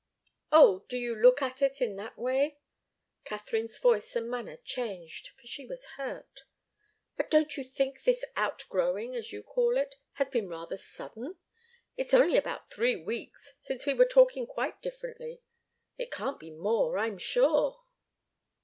"Oh do you look at it in that way?" Katharine's voice and manner changed, for she was hurt. "But don't you think this outgrowing, as you call it, has been rather sudden? It's only about three weeks since we were talking quite differently. It can't be more, I'm sure."